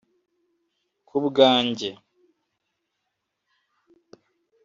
ku bwanjye